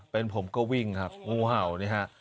เป็นผมก็วิ่งครับงูเห่านี่ฮะ